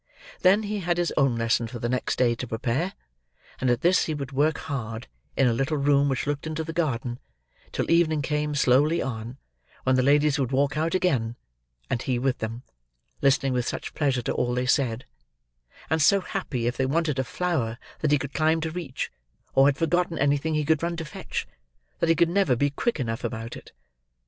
Then, he had his own lesson for the next day to prepare; and at this, he would work hard, in a little room which looked into the garden, till evening came slowly on, when the ladies would walk out again, and he with them: listening with such pleasure to all they said: and so happy if they wanted a flower that he could climb to reach, or had forgotten anything he could run to fetch: that he could never be quick enough about it.